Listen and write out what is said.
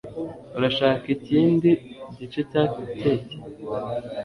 Urashaka ikindi gice cya keke?